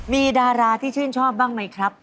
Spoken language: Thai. มีดาราที่ชื่นชอบบ้างไหมครับ